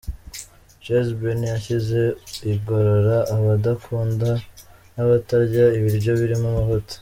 Chez Benny yashyize igorora abadakunda n’abatarya ibiryo birimo amavuta.